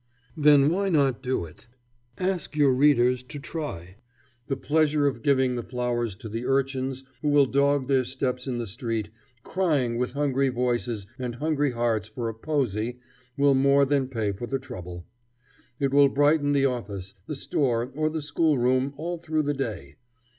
"Then why not do it? Ask your readers to try. The pleasure of giving the flowers to the urchins who will dog their steps in the street, crying with hungry voices and hungry hearts for a 'posy' will more than pay for the trouble. It will brighten the office, the store, or the schoolroom all through the day.